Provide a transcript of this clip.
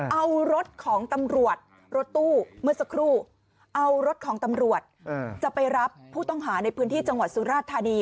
เอารถของตำรวจรถตู้เมื่อสักครู่เอารถของตำรวจจะไปรับผู้ต้องหาในพื้นที่จังหวัดสุราชธานี